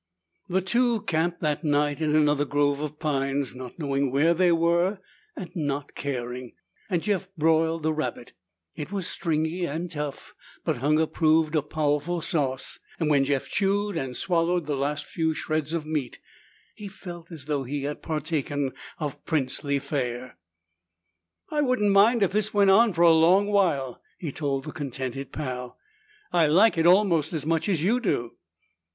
The two camped that night in another grove of pines, not knowing where they were and not caring, and Jeff broiled the rabbit. It was stringy and tough, but hunger proved a powerful sauce and when Jeff chewed and swallowed the last few shreds of meat he felt as though he had partaken of princely fare. "I wouldn't mind if this went on for a long while!" he told the contented Pal. "I like it almost as much as you do!"